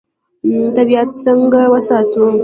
طبیعت څنګه وساتو؟